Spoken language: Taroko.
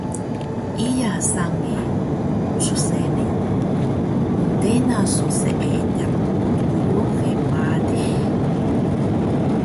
Iya sange msseli, mntena so seediq tgluhe malix